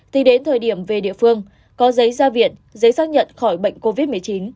thì đến thời điểm về địa phương có giấy ra viện giấy xác nhận khỏi bệnh covid một mươi chín